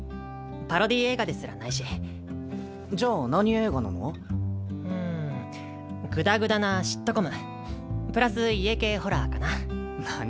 パロディー映画ですらないしじゃあ何うんぐだぐだなシットコムプラス家系ホラーかな